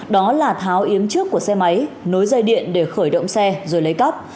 đó là tháo yếm trước của xe máy nối dây điện để khởi động xe rồi lấy cắp